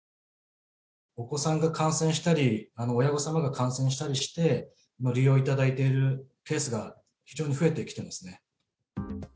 お子さんが感染したり、親御さんの方が感染したりして利用いただいているケースが非常に増えてきていますね。